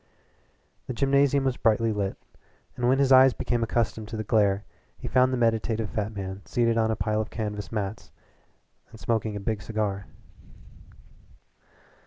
The gymnasium was brightly lit, and when his eyes became accustomed to the glare he found the meditative fat man seated on a pile of canvas mats smoking a big cigar.